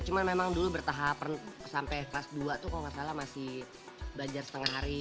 cuma memang dulu bertahap sampai kelas dua tuh kalau nggak salah masih belajar setengah hari